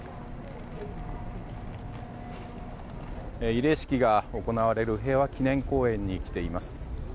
慰霊式が行われる平和祈念公園に来ています。